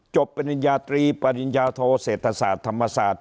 ปริญญาตรีปริญญาโทเศรษฐศาสตร์ธรรมศาสตร์